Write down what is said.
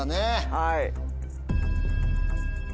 はい。